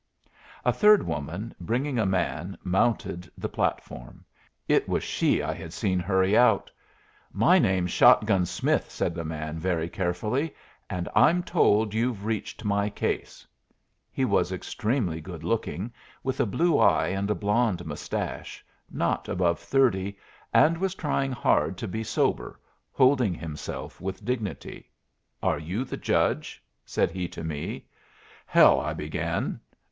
A third woman, bringing a man, mounted the platform. It was she I had seen hurry out. "My name's Shot gun Smith," said the man, very carefully, "and I'm told you've reached my case." He was extremely good looking, with a blue eye and a blond mustache, not above thirty, and was trying hard to be sober, holding himself with dignity. "Are you the judge?" said he to me. "Hell " I began.